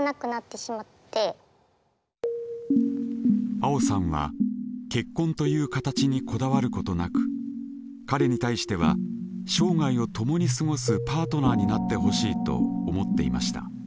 あおさんは結婚という形にこだわることなく彼に対しては生涯を共に過ごすパートナーになってほしいと思っていました。